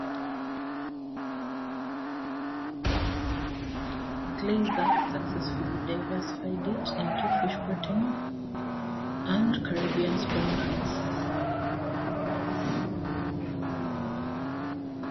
Glazer successfully diversified it into fish protein and Caribbean supermarkets.